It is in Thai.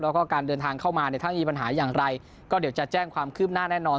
แล้วก็การเดินทางเข้ามาเนี่ยถ้ามีปัญหาอย่างไรก็เดี๋ยวจะแจ้งความคืบหน้าแน่นอน